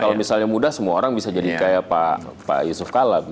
kalau misalnya mudah semua orang bisa jadi kayak pak yusuf kala